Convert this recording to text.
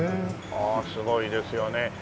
ああすごいですよね。